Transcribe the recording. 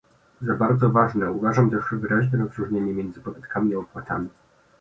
Za bardzo ważne uważam też wyraźne rozróżnienie między podatkami a opłatami